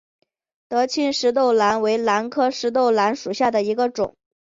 德钦石豆兰为兰科石豆兰属下的一个种。